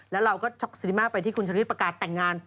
แล้วเราก็ช็อกซิริมาไปที่คุณชะลิดประกาศแต่งงาน